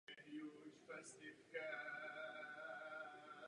Zelená barva symbolizuje zemi a lesy.